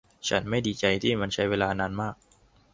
ฉันไม่ดีใจที่มันใช้เวลานานมาก